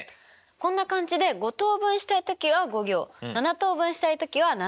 こんな感じで５等分したい時は５行７等分したい時は７行使えばいいんです。